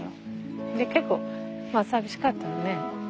結構寂しかったよね。